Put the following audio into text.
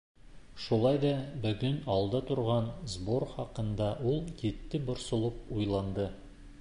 Шулай ҙа бөгөн алда торған сбор хаҡында ул етди борсолоп уйланды.